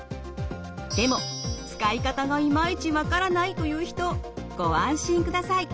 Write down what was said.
でも使い方がいまいち分からないという人ご安心ください。